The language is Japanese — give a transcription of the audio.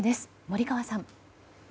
森川さん。